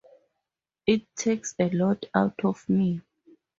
It takes a lot out of me.